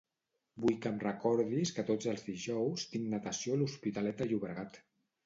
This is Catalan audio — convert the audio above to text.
Vull que em recordis que tots els dijous tinc natació a l'Hospitalet de Llobregat.